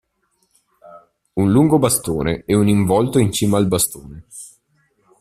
Un lungo bastone e un involto in cima al bastone.